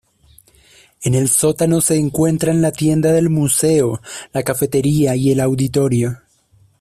En el sótano se encuentran la tienda del museo, la cafetería y el auditorio.